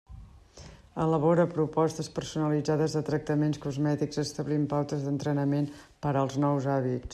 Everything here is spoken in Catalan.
Elabora propostes personalitzades de tractaments cosmètics establint pautes d'entrenament per als nous hàbits.